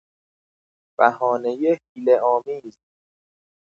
بهانهی حیله آمیز